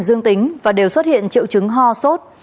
dương tính và đều xuất hiện triệu chứng ho sốt